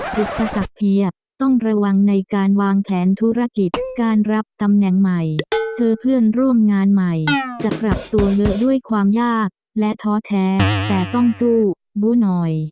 อุปสรรคเพียบต้องระวังในการวางแผนธุรกิจการรับตำแหน่งใหม่เจอเพื่อนร่วมงานใหม่จะปรับตัวเลอะด้วยความยากและท้อแท้แต่ต้องสู้บู้หน่อย